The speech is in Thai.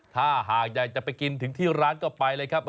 ถ้าหากอยากจะไปกินถึงที่ร้านก็ไปเลยครับ